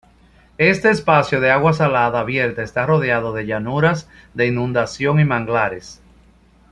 Este espacio de agua salada abierta está rodeado de llanuras de inundación y manglares.